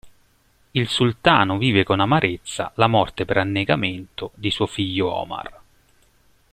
Il sultano vive con amarezza la morte per annegamento di suo figlio Omar.